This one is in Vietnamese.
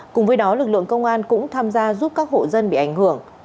cùng với đó lực lượng công an cũng tham gia giúp các hộ dân bị ảnh hưởng